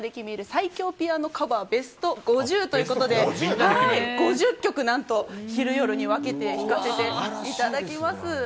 最強ピアノカバーＢＥＳＴ５０」ということで５０曲、なんと昼夜に分けて弾かせていただきます。